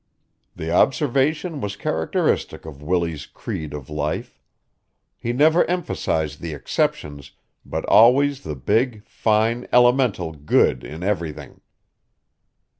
The observation was characteristic of Willie's creed of life. He never emphasized the exceptions but always the big, fine, elemental good in everything.